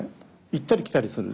行ったり来たりする。